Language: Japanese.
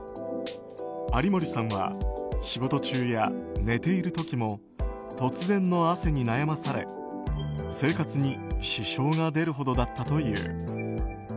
有森さんは仕事中や寝ている時も突然の汗に悩まされ、生活に支障が出るほどだったという。